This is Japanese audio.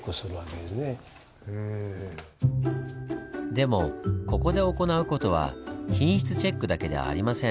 でもここで行う事は品質チェックだけではありません。